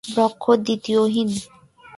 ব্রহ্ম ‘দ্বিতীয়হীন’।